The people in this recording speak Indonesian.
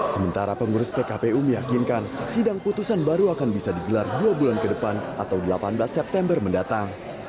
sementara pengurus pkpu meyakinkan sidang putusan baru akan bisa digelar dua bulan ke depan atau delapan belas september mendatang